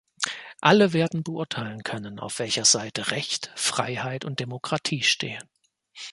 Alle werden beurteilen können, auf welcher Seite Recht, Freiheit und Demokratie stehen.